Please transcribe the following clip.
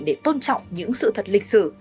để tôn trọng những sự thật lịch sử